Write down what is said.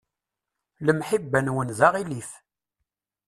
Lemḥibba-nwen d aɣilif.